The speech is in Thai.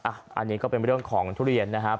อันนี้ก็เป็นเรื่องของทุเรียนนะครับ